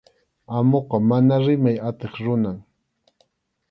Amuqa mana rimay atiq runam.